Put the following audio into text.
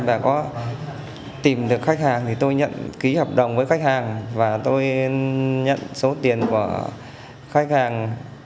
và có tìm được khách hàng thì tôi nhận ký hợp đồng với khách hàng và tôi nhận số tiền của khách hàng